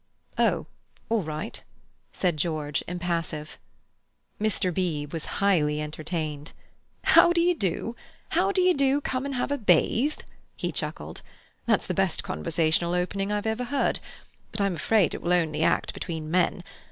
"Oh, all right," said George, impassive. Mr. Beebe was highly entertained. "'How d'ye do? how d'ye do? Come and have a bathe,'" he chuckled. "That's the best conversational opening I've ever heard. But I'm afraid it will only act between men.